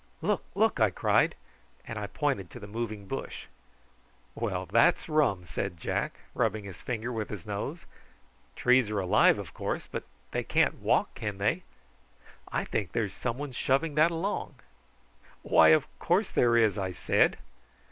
"Look, look!" I cried, and I pointed to the moving bush. "Well, that's rum," said Jack, rubbing his nose with his finger. "Trees are alive, of course, but they can't walk, can they? I think there's some one shoving that along." "Why, of course there is," I said.